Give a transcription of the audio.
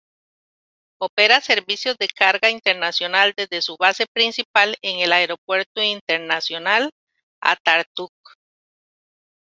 Opera servicios de carga internacional desde su base principal en el Aeropuerto Internacional Atatürk.